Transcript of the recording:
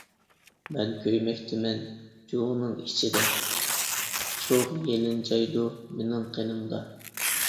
مەن كۆيمەكتىمەن چوغنىڭ ئىچىدە، چوغ يېلىنجايدۇ مېنىڭ قېنىمدا.